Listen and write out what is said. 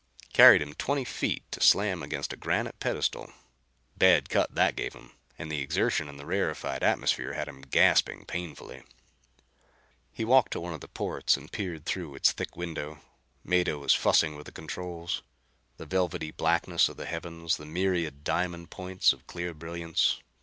Carried him twenty feet to slam against a granite pedestal. Bad cut that gave him, and the exertion in the rarefied atmosphere had him gasping painfully. He walked to one of the ports and peered through its thick window. Mado was fussing with the controls. The velvety blackness of the heavens; the myriad diamond points of clear brilliance.